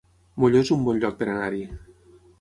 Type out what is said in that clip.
Molló es un bon lloc per anar-hi